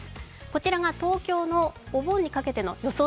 こちらが東京のお盆にかけての予想